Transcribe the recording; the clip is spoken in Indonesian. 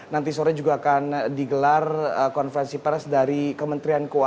nanti sore juga akan digelar konferensi pers dari kementerian keuangan